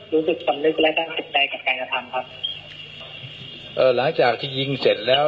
รู้สึกสำนึกและตั้งจิตใจกับการกระทำครับเอ่อหลังจากที่ยิงเสร็จแล้ว